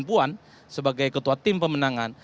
dan kemudian disimulisasi dengan puan sebagai ketua tim pemenangan